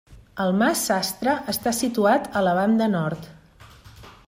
El mas Sastre està situat a la banda nord.